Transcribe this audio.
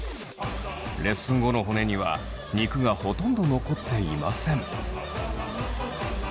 レッスン後の骨には肉がほとんど残っていません。